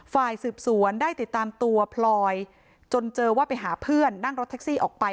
ฝ่ายสืบสวนได้ติดตามตัวพลอยจนเจอว่าไปหาเพื่อนนั่งรถแท็กซี่ออกไป